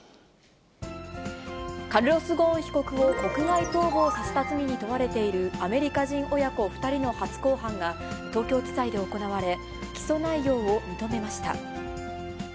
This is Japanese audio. カルロス・ゴーン被告を国外逃亡させた罪に問われているアメリカ人親子２人の初公判が、東京地裁で行われ、起訴内容を認めました。